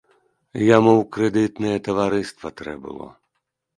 Яму ў крэдытнае таварыства трэ было.